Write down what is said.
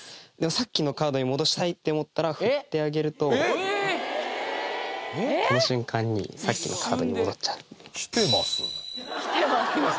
さっきのカードに戻したいって思ったら振ってあげるとこの瞬間にさっきのカードに戻っちゃうキテます